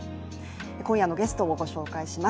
今夜のゲストをご紹介します。